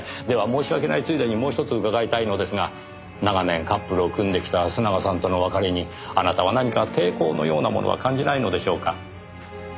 では申し訳ないついでにもうひとつ伺いたいのですが長年カップルを組んできた須永さんとの別れにあなたは何か抵抗のようなものは感じないのでしょうか？